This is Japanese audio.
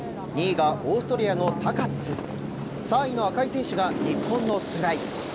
２位がオーストリアのタカッツ３位の赤い選手が日本の須貝。